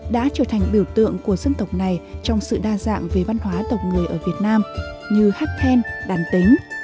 đã trở thành biểu tượng của dân tộc này trong sự đa dạng về văn hóa tộc người ở việt nam như hát then đàn tính